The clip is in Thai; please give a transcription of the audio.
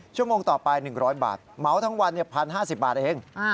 ชั่วโมงต่อไป๑๐๐บาทเหมาทั้งวัน๑๐๕๐บาทเอง